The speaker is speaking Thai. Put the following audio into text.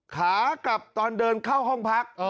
ขากลับตอนเดินเข้าห้องพัก